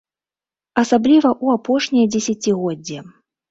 Асабліва ў апошняе дзесяцігоддзе.